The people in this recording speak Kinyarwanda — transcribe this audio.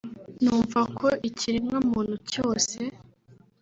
numva ko ikiremwamuntu cyose